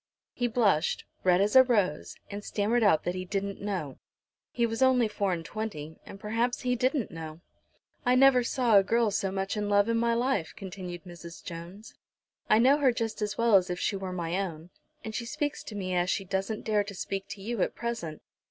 He blushed, red as a rose, and stammered out that he "didn't know." He was only four and twenty, and perhaps he didn't know. "I never saw a girl so much in love in my life," continued Mrs. Jones. "I know her just as well as if she were my own, and she speaks to me as she doesn't dare to speak to you at present.